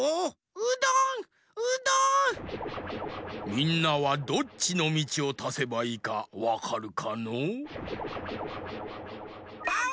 みんなはどっちのみちをたせばいいかわかるかのう？